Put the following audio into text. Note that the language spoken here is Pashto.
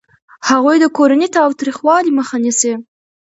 هغوی د کورني تاوتریخوالي مخه نیسي.